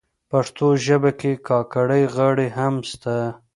پښتو ژبه کي کاکړۍ غاړي هم سته.